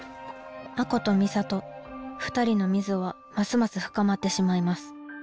亜子と美里２人の溝はますます深まってしまいます。